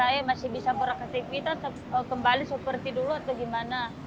saya masih bisa beraktivitas kembali seperti dulu atau gimana